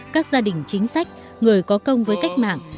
các gia đình chính sách người có công với cách mạng